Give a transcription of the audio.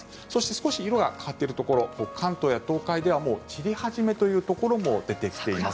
少し色が変わっているところ関東や東海ではもう散り始めというところも出てきています。